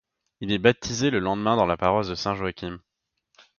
Il est baptisé le lendemain dans la paroisse Saint-Joachim.